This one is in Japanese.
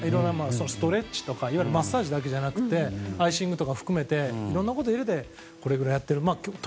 ストレッチとかマッサージだけじゃなくてアイシングとかも含めていろんなことを入れてこれくらいやっていると。